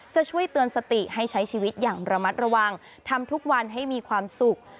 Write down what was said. จะช่วยเตือนสติให้ใช้ชีวิตอย่างระมัดระวังทำทุกวันให้มีความสุข